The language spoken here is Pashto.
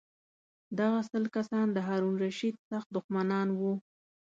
دغه سل کسان د هارون الرشید سخت دښمنان وو.